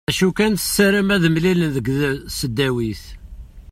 D acu kan tessaram ad mlilen deg tesdawit.